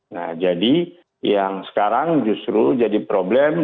nah jadi yang sekarang justru jadi problem